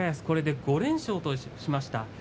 これで５連勝としました。